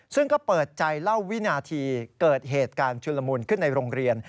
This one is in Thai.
ซึ่งก็เปิดใจเล่าวินาทีเกิดเหตุการณ์ชุลมูลขึ้นในโรงเรียน